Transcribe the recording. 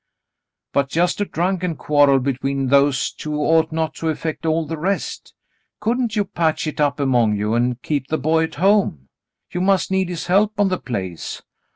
"But just a drunken quarrel between those two ought not to affect all the rest. Couldn't you patch it up among you, and keep the boy at home ? You must need his help on the place."